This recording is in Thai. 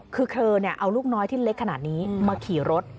คือเธอเอาลูกน้อยที่เล็กขนาดนี้มาขี่รถ